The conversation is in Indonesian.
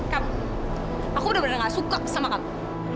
kamu aku udah bener bener gak suka sama kamu